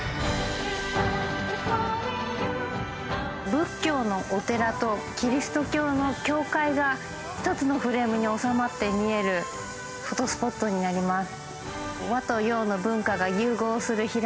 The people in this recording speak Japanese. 仏教のお寺とキリスト教の教会が一つのフレームに収まって見えるフォトスポットになります。